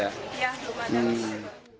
ya belum ada